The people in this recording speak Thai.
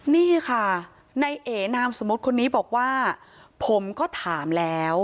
นี่ค่ะในเอนามสมมุติคนนี้บอกว่าผมก็ถามแล้ว